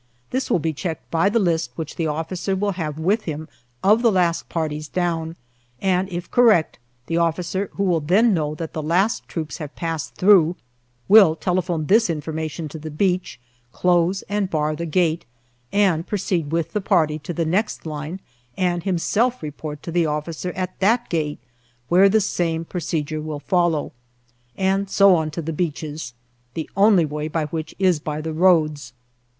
This will be checked by the list which the officer will have with him of the last parties down, and if correct the officer, who will then know that the last troops have passed through, will telephone this information to the beach, close and bar the gate, and proceed with the party to the next line and himself report to the officer at that gate, where the same procedure will follow. And so on to the beaches, the only way to which is by the roads.